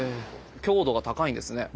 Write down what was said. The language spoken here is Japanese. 強度が高いんですね。